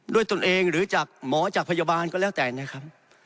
ตนเองหรือจากหมอจากพยาบาลก็แล้วแต่นะครับ